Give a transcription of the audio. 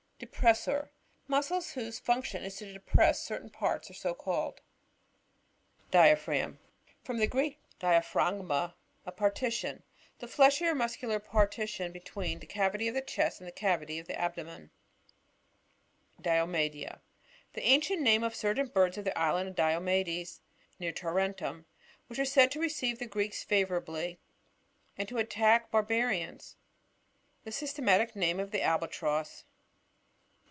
Depressor. — Muscles, whose func tion is to depress certain parts are so called. Depressed (beak.)— Flattened heri zontaliy Diaphragm. — From the Greek, dia phragma, a partition. The fleishy or muscular partition between the cavity of the chest and cavity of the abdomen. Diomedea. — The afnrient name of certain birds of the island of Diomedcs, near Tarentum, which were said to receive the Greeks favourably, and to attack the bar barians. The systematic name of the Albatross.